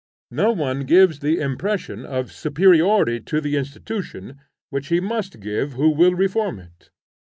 No one gives the impression of superiority to the institution, which he must give who will reform it.